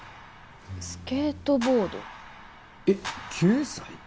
スケートボードえっ９歳？